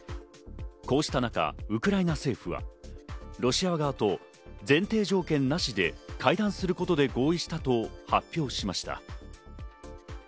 こうした中、ウクライナ政府はロシア側と前提条件なしで会談することで合意したと発表しました。